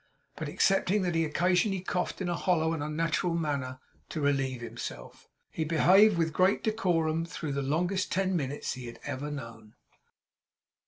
But, excepting that he occasionally coughed in a hollow and unnatural manner to relieve himself, he behaved with great decorum through the longest ten minutes he had ever known.